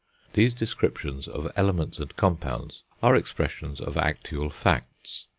These descriptions of elements and compounds are expressions of actual facts.